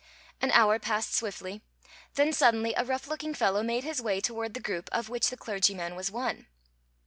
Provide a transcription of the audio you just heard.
An hour passed swiftly; then suddenly a rough looking fellow made his way toward the group of which the clergyman was one.